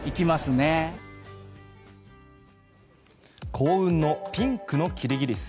幸運のピンクのキリギリス。